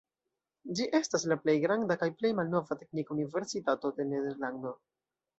Ĝi estas la plej granda kaj plej malnova teknika universitato de Nederlando.